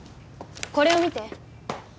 これを見て。